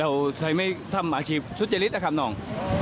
ใช้ไม่ทำอาชีพสุจริตนะครับน้อง